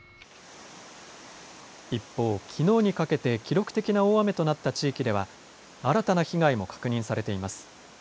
一方、きのうにかけて記録的な大雨となった地域では、新たな被害も確認されています。